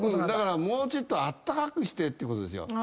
もうちっとあったかくしてってことですよ。